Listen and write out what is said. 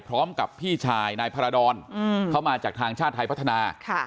พร้อมกับพี่ชายนายพาราดรเข้ามาจากทางชาติไทยพัฒนา